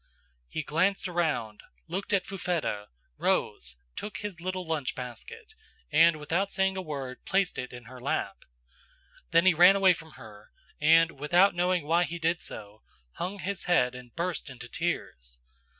"He glanced around, looked at Fufetta, rose, took his little lunch basket, and without saying a word placed it in her lap. "Then he ran away from her, and, without knowing why he did so, hung his head and burst into tears.